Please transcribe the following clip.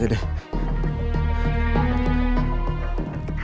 waktu aja deh